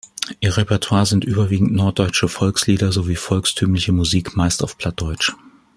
Ihr Repertoire sind überwiegend norddeutsche Volkslieder sowie volkstümliche Musik, meist auf Plattdeutsch.